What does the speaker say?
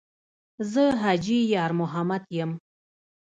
ـ زه حاجي یارمحمد یم.